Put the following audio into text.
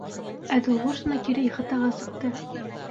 Әҙелғужина кире ихатаға сыҡты.